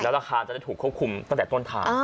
แล้วราคาจะถูกควบคุมตั้งแต่ต้นทาง